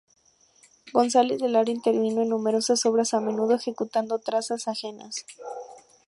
González de Lara intervino en numerosas obras, a menudo ejecutando trazas ajenas.